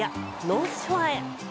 ノースショアへ。